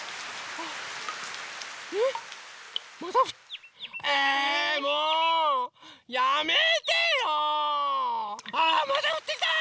あらまたふってきた！